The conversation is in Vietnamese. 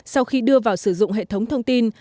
sau khi đưa vào sử dụng hệ thống thông tin